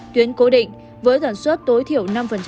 tuyến cố định với sản xuất tối thiểu năm